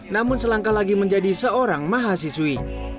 namun selangkah lagi menjadi seorang mahasiswi